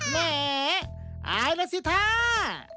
หมออายแล้วสิท่า